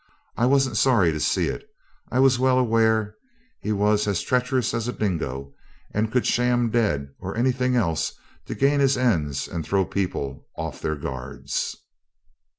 I wasn't sorry to see it. I was well aware he was as treacherous as a dingo, and could sham dead or anything else to gain his ends and throw people off their guards.